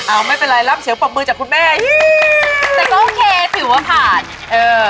เอาไม่เป็นไรรับเสียงปรบมือจากคุณแม่แต่ก็โอเคถือว่าผ่านเออ